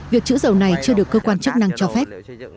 việc chữ dầu này chưa được cơ quan chức năng cho phép